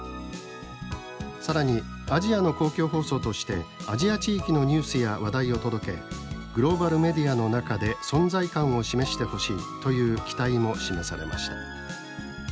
更にアジアの公共放送としてアジア地域のニュースや話題を届けグローバルメディアの中で存在感を示してほしいという期待も示されました。